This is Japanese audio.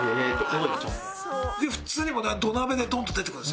普通に土鍋でドンと出てくるんですよ。